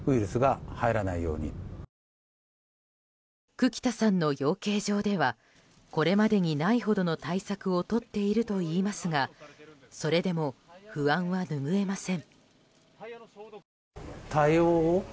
久木田さんの養鶏場ではこれまでにないほどの対策をとっているといいますがそれでも不安は拭えません。